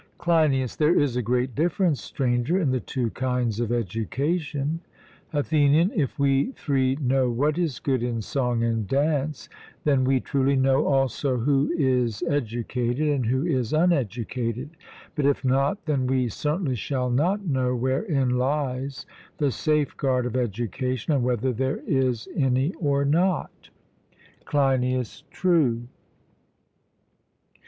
CLEINIAS: There is a great difference, Stranger, in the two kinds of education. ATHENIAN: If we three know what is good in song and dance, then we truly know also who is educated and who is uneducated; but if not, then we certainly shall not know wherein lies the safeguard of education, and whether there is any or not. CLEINIAS: True.